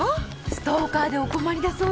ストーカーでお困りだそうで。